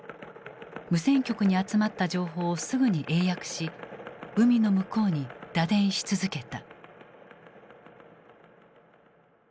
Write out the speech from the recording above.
無線局に集まった情報をすぐに英訳し海の向こうに打電し続けた。